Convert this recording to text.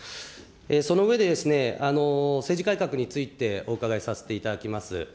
その上で、政治改革についてお伺いさせていただきます。